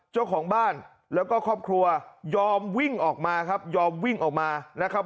เจ้าของบ้านแล้วก็ครอบครัวยอมวิ่งออกมาครับยอมวิ่งออกมานะครับ